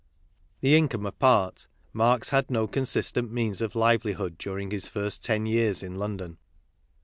That income apart, Marx had no consistent means of livelihood during his first ten years in London.